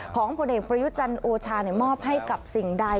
ของพระเอกปริยุจรรย์โอชามอบให้กับสิ่งใด